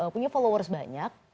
punya followers banyak